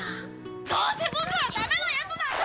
どうせ僕はだめなやつなんだ！